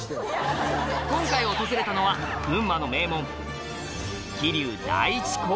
今回訪れたのは群馬の名門